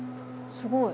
すごい。